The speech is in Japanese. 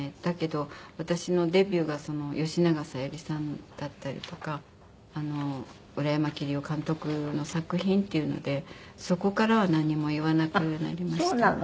だけど私のデビューが吉永小百合さんだったりとか浦山桐郎監督の作品っていうのでそこからはなんにも言わなくなりました。